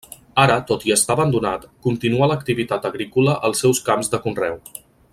Ara, tot i estar abandonat, continua l'activitat agrícola als seus camps de conreu.